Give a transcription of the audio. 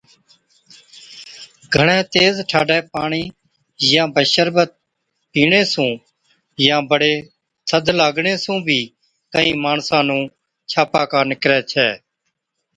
گھڻَي تيز ٺاڍَي پاڻِي يان بشربت پِيڻي سُون يان بڙي ٿڌ لاگڻي سُون بِي ڪهِين ماڻسان نُون ڇاپاڪا نِڪرَي ڇَي۔